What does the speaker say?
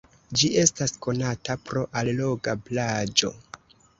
Ĝi estas konata pro alloga plaĝo.